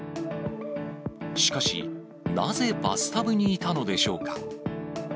しかし、なぜバスタブにいたのでしょうか。